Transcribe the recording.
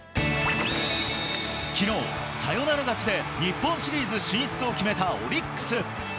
きのう、サヨナラ勝ちで日本シリーズ進出を決めたオリックス。